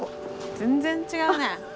全然違うね。